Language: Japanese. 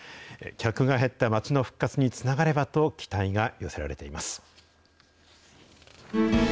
客が減った街の復活につながればと期待が寄せられています。